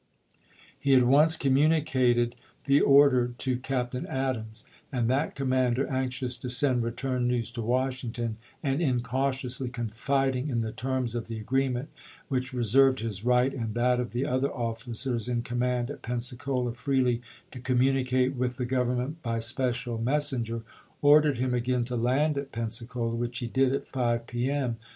He at once communicated the order to Captain Adams ; and that commander, anxious to send return news to Washington, and incautiously confiding in the terms of the agree ment which reserved his "right and that of the other officers in command at Pensacola freely to communicate with the Government by special mes senger," ordered him again to land at Pensacola, which he did at 5 p. m.